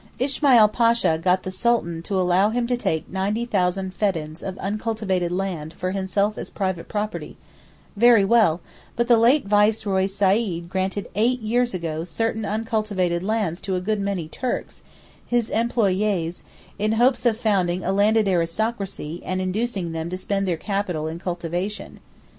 Ismail Pasha got the Sultan to allow him to take 90,000 feddans of uncultivated land for himself as private property, very well, but the late Viceroy Said granted eight years ago certain uncultivated lands to a good many Turks, his employés, in hopes of founding a landed aristocracy and inducing them to spend their capital in cultivation.